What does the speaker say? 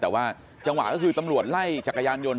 แต่ว่าจังหวะก็คือตำรวจไล่จักรยานยนต